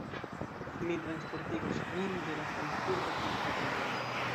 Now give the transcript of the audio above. Mi transportigos vin de la Frankfurta flughaveno.